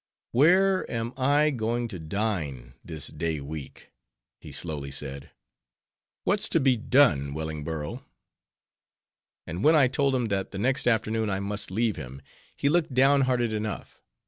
"Where am I going to dine, this day week?"—he slowly said. "What's to be done, Wellingborough?" And when I told him that the next afternoon I must leave him; he looked downhearted enough.